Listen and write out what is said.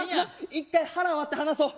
一回腹割って話そう！